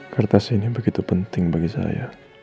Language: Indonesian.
kertas ini begitu penting bagi saya